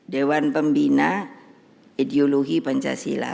dewan pembina ideologi pancasila